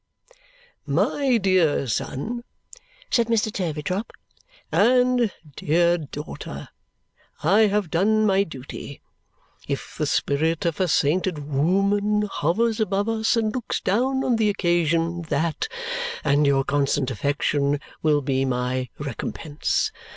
"My dear son," said Mr. Turveydrop, "and dear daughter, I have done my duty. If the spirit of a sainted wooman hovers above us and looks down on the occasion, that, and your constant affection, will be my recompense.